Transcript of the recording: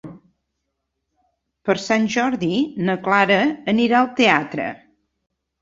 Per Sant Jordi na Clara anirà al teatre.